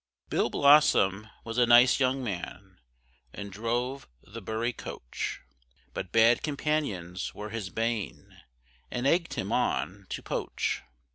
Bill Blossom was a nice young man, And drove the Bury coach; But bad companions were his bane, And egg'd him on to poach.